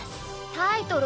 タイトル